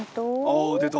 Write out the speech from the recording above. あ出た。